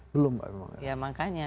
belum mbak memang ya makanya